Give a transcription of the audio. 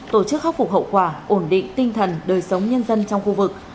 tổ chức khắc phục hậu quả ổn định tinh thần đời sống nhân dân trong khu vực